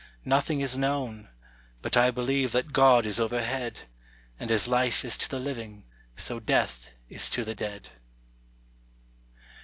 Nothing is known. But I believe that God is overhead; And as life is to the living, so death is to the dead.